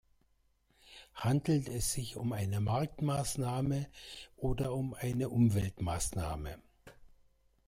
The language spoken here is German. Handelt es sich um eine Marktmaßnahme oder um eine Umweltmaßnahme?